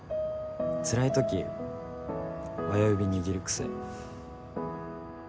つらい時親指握る癖。